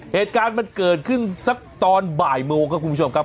เหตุการณ์มันเกิดขึ้นสักตอนบ่ายโมงครับคุณผู้ชมครับ